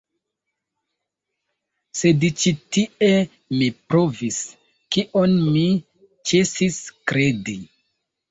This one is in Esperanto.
Sed ĉi tie mi trovis, kion mi ĉesis kredi.